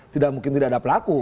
tidak mungkin tidak ada pelaku